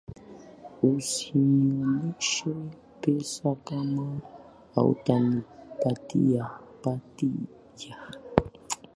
Usinioneshe pesa kama hutanipatia